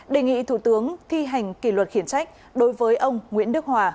đề nghị thủ tướng thi hành kỷ luật khiển trách đối với ông nguyễn đức hòa